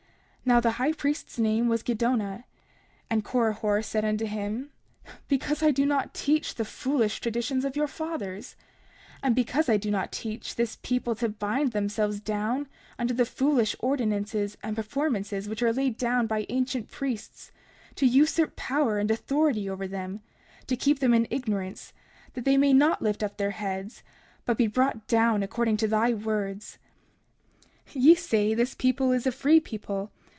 30:23 Now the high priest's name was Giddonah. And Korihor said unto him: Because I do not teach the foolish traditions of your fathers, and because I do not teach this people to bind themselves down under the foolish ordinances and performances which are laid down by ancient priests, to usurp power and authority over them, to keep them in ignorance, that they may not lift up their heads, but be brought down according to thy words. 30:24 Ye say that this people is a free people.